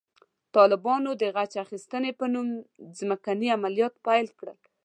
طالبانو د غچ اخیستنې په نوم ځمکني عملیات پیل کړل.